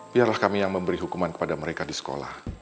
biarlah kami yang memberi hukuman kepada mereka di sekolah